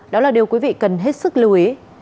đó là điều quý vị cần hết sức lưu ý